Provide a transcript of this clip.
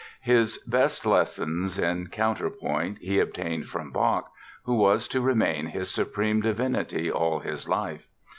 His best lessons in counterpoint he obtained from Bach, who was to remain his supreme divinity all his life.